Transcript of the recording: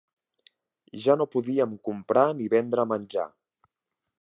Ja no podíem comprar ni vendre menjar.